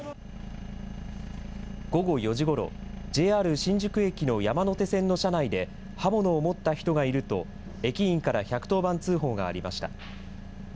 午後４時ごろ、ＪＲ新宿駅の山手線の車内で、刃物を持った人がいると、駅員から１１０番通報がありました。